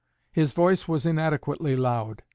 His voice was inadequately loud.